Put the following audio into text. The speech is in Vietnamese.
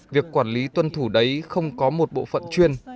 việc quản lý tuân thủ đấy không có một bộ phận chuyên